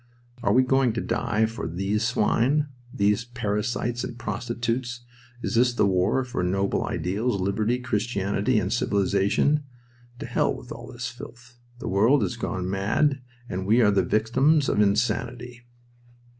"Are we going to die for these swine? These parasites and prostitutes? Is this the war for noble ideals, liberty, Christianity, and civilization? To hell with all this filth! The world has gone mad and we are the victims of insanity."